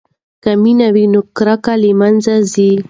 که مینه وي نو کرکه له منځه ځي.